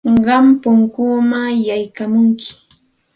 Qam punkunpam yaykamunki.